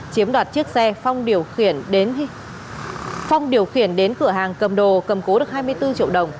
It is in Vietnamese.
chiếm đoạt chiếc xe phong điều khiển đến cửa hàng cầm đồ cầm cố được hai mươi bốn triệu đồng